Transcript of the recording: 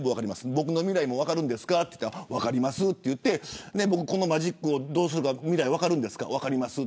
僕の未来も分かりますか分かりますと言ってこのマジックをどうするか分かるんですか分かります。